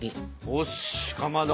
よしかまど！